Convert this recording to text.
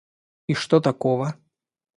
И что такого?